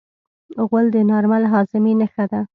غول د نارمل هاضمې نښه ده.